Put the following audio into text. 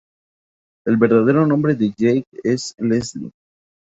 El verdadero nombre de Jake es Leslie.